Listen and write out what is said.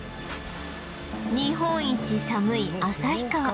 日本一寒い旭川